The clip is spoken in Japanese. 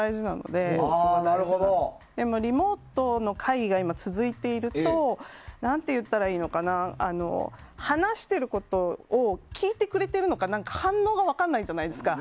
でも、リモートの会議が続いていると話していることを聞いてくれているのか反応が分からないじゃないですか。